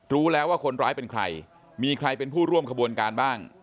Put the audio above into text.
รู้แล้วว่าคนร้ายเป็นใครมีใครเป็นผู้ร่วมขบวนการบ้าง